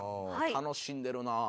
楽しんでるなあ。